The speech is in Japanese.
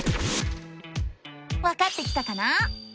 わかってきたかな？